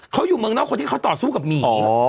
เขาอยู่เมืองนอกคนที่เขาต่อสู้กับหมี